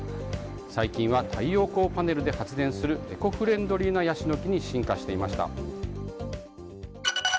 最近は太陽光パネルで発電するエコフレンドリーなヤシの木に進化していました。